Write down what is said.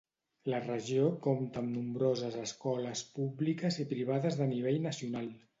La regió compta amb nombroses escoles públiques i privades de nivell nacional.